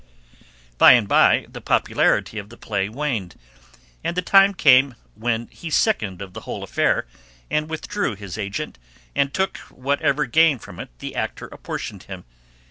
By and by the popularity of the play waned, and the time came when he sickened of the whole affair, and withdrew his agent, and took whatever gain from it the actor apportioned him.